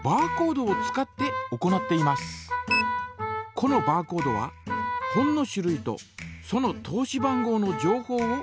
このバーコードは本の種類とその通し番号の情報を表しています。